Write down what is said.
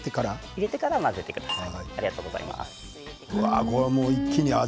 入れてから混ぜてください。